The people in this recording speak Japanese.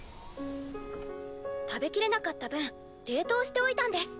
食べきれなかった分冷凍しておいたんです。